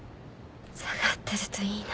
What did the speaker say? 下がってるといいな。